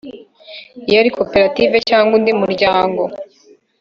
iyo ari koperative cyangwa undi muryango